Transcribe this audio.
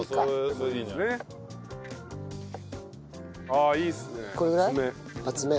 ああいいっすね厚め。